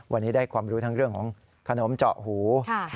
วันนี้ได้ความรู้ทั้งเรื่องของขนมเจาะหู